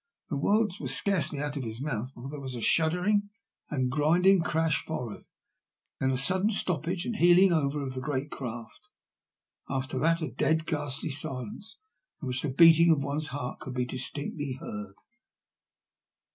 " The words were scarcely out of his mouth before there was a shuddering and grinding crash forrard, then a sudden stoppage and heeling over of the great craft, and after that a dead, ghastly silence, in which the beating of one's heart could be distinctly heard.